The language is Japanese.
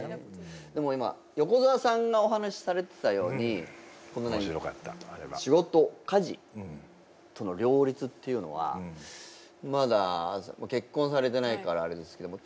でも今横澤さんがお話しされてたように仕事家事との両立っていうのはまだ結婚されてないからあれですけども。